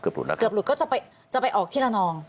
เกือบหลุดก็จะไปออกที่ระนอง